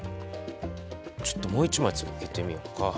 ちょっともう１枚つけてみよっか。